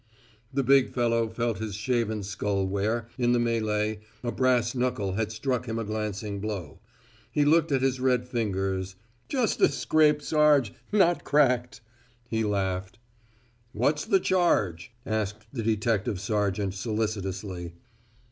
The big fellow felt his shaven skull where, in the melee, a brass knuckle had struck him a glancing blow. He looked at his red fingers. "Just a scrape, Sarje, not cracked," he laughed. "What's the charge?" asked the detective sergeant, solicitously.